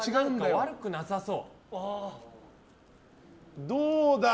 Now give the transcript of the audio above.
悪くなさそう。